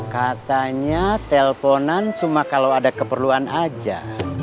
katanya telponan cuma kalau ada keperluan aja